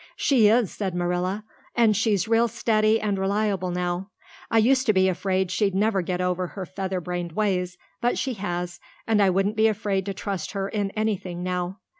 "She is," said Marilla, "and she's real steady and reliable now. I used to be afraid she'd never get over her featherbrained ways, but she has and I wouldn't be afraid to trust her in anything now."